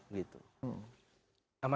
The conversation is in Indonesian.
taman datang undang bos